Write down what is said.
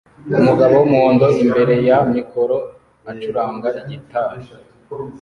Umugabo wumuhondo imbere ya mikoro acuranga gitari